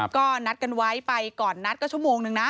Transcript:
ก็นัดกันไว้ไปก่อนนัดก็ชั่วโมงนึงนะ